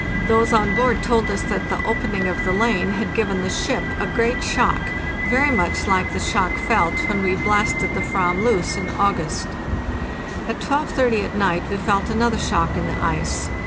Those on board told us that the opening of the lane had given the ship a great shock, very much like the shock felt when we blasted the /vam loose in August. At 12.30 at night we felt another shock in the ice.